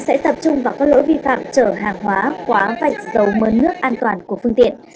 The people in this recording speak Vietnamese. sẽ tập trung vào các lỗi vi phạm trở hàng quá vạch dấu mớ nước an toàn của phương tiện